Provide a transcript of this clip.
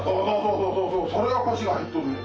そうそうそうそれが腰が入っとんねん。